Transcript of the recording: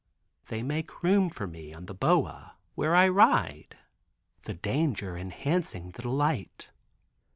They make room for me on the boa, where I ride, the danger enhancing the delight.